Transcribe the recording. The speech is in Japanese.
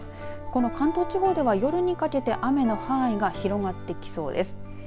この関東地方では夜にかけて雨の範囲が広がってきそうです。